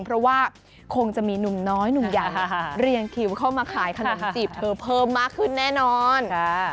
เพราะว่าคงจะมีหนุ่มน้อยหนุ่มใหญ่เรียงคิวเข้ามาขายขนมจีบเธอเพิ่มมากขึ้นแน่นอน